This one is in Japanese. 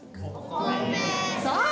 そう！